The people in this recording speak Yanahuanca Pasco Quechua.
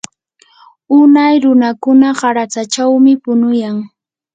unay runakuna qaratsachawmi punuyan.